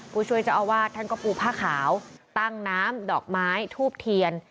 ผู้ช่วยเจ้าอาวาสท่านก็ปูผ้าขาวตั้งน้ำดอกไม้ทูบเทียน